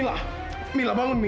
ya allah gimana ini